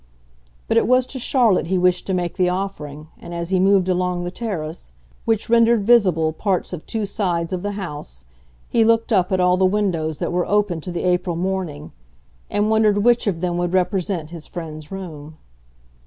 But it was to Charlotte he wished to make the offering, and as he moved along the terrace, which rendered visible parts of two sides of the house, he looked up at all the windows that were open to the April morning, and wondered which of them would represent his friend's room.